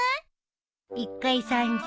１回３０円。